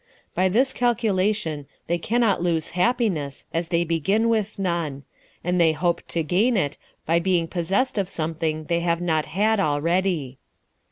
By this calculation, they cannot lose happiness, as they begin with none ; and they hope to gain it, by being possessed of something they have not had already.